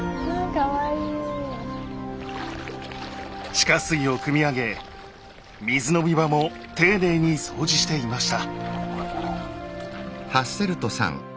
地下水をくみ上げ水飲み場も丁寧に掃除していました。